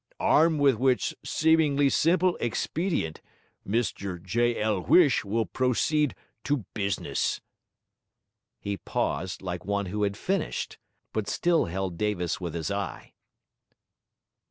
Armed with w'ich seemin'ly simple expedient, Mr J. L. 'Uish will proceed to business.' He paused, like one who had finished, but still held Davis with his eye.